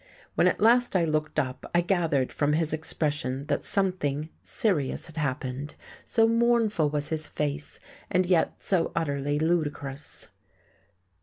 When at last I looked up I gathered from his expression that something serious had happened, so mournful was his face, and yet so utterly ludicrous.